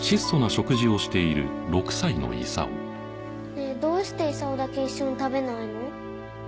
ねえどうして功だけ一緒に食べないの？